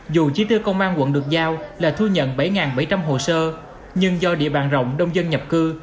dù chỉ tiêu công an quận được giao là thu nhận bảy bảy trăm linh hồ sơ nhưng do địa bàn rộng đông dân nhập cư